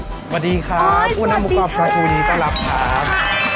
สวัสดีครับหัวหน้าหมูกรอบชาชูนี้ต้อนรับครับ